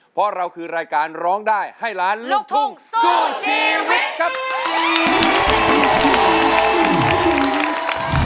เพราะเราคือรายการร้องได้ให้ล้านลูกทุ่งสู้ชีวิตครับ